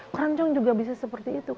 keroncong juga bisa seperti itu